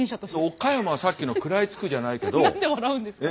岡山さっきの「食らいつく」じゃないけど。